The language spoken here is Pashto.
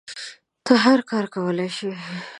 ته هر کار کولی شی